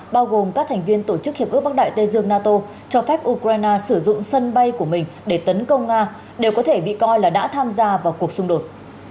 bao gồm các thành viên tổ chức hiệp ước bắc đại tây dương nato cho phép ukraine sử dụng sân bay của mình để tấn công nga đều có thể bị coi là đã tham gia vào cuộc xung đột